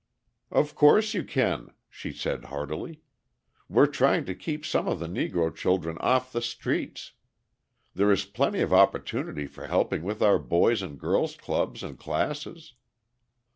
"Of course you can," she said heartily. "We're trying to keep some of the Negro children off the streets. There is plenty of opportunity for helping with our boys' and girls' clubs and classes."